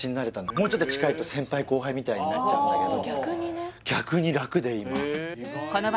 もうちょっと近いと先輩後輩みたいになっちゃうんだけど